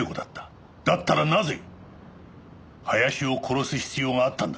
だったらなぜ林を殺す必要があったんだ。